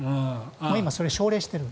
今、それ奨励している。